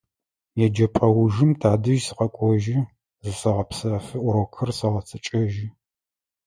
ЕджэпӀэ ужым тадэжь сыкъэкӀожьы, зысэгъэпсэфы, урокхэр сэгъэцэкӀэжьы.